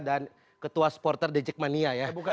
dan ketua sporter dejekmania ya